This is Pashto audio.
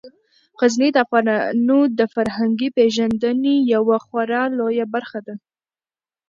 غزني د افغانانو د فرهنګي پیژندنې یوه خورا لویه برخه ده.